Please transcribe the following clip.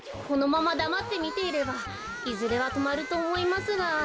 このままだまってみていればいずれはとまるとおもいますが。